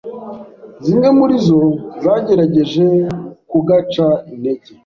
Zimwe muri zo zagerageje kugaca intege